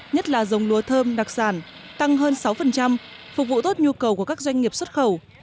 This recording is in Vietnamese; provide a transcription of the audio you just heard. nhất là dòng lúa thơm đặc sản tăng hơn sáu phục vụ tốt nhu cầu của các doanh nghiệp xuất khẩu